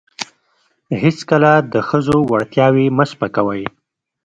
هیڅکله د ښځو وړتیاوې مه سپکوئ.